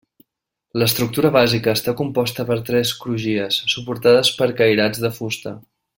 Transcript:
L'estructura bàsica està composta per tres crugies suportades per cairats de fusta.